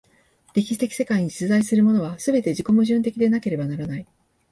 歴史的世界に実在するものは、すべて自己矛盾的でなければならない。